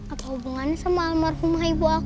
apa hubungannya sama almarhumah ibu aku